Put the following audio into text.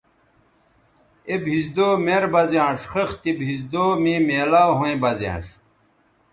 اے بھیزدو مر بہ زیانݜ خِختے بھیزدو مے میلاو ھویں بہ زیانݜ